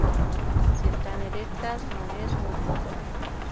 Si están erectas no es un Gull Dong.